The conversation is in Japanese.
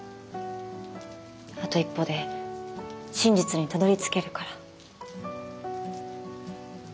あと一歩で真実にたどりつけるから。